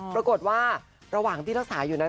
ปรากฏว่าระหว่างที่รักษาอยู่นั้น